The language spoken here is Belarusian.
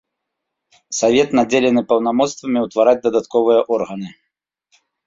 Савет надзелены паўнамоцтвамі ўтвараць дадатковыя органы.